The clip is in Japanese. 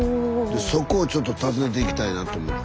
そこをちょっと訪ねていきたいなと思って。